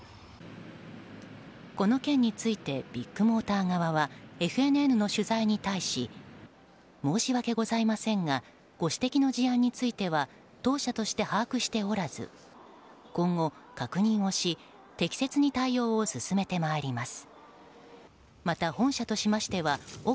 この件についてビッグモーター側はＦＮＮの取材に対し申し訳ございませんがご指摘の事案については当社として把握しておらず今後、確認をし適切に対応を進めてまいります。